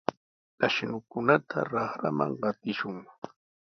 Ashnukunata raqraman qatishun.